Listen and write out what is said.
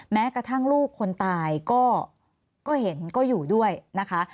แม้กระทั่งลูกคนตายก็เห็นก็อยู่ด้วยนะคะ